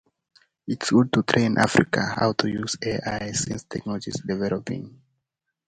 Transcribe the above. The majority of the city is within the Independence Public School District.